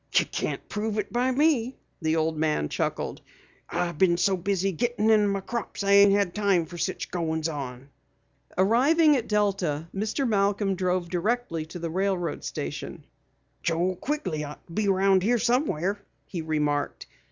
"You can't prove it by me," the old man chuckled. "I been so busy gettin' in my crops I ain't had no time fer such goins on." Arriving at Delta, Mr. Malcom drove directly to the railroad station. "Joe Quigley ought to be around here somewhere," he remarked.